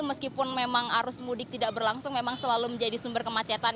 meskipun memang arus mudik tidak berlangsung memang selalu menjadi sumber kemacetan